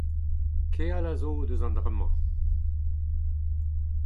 keal a zo eus an dra-mañ